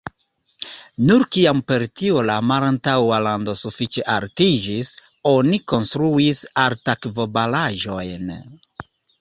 Nur kiam per tio la malantaŭa lando sufiĉe altiĝis, oni konstruis altakvo-baraĵojn.